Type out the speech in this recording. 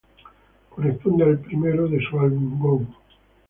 Corresponde al primero de su álbum "Goo".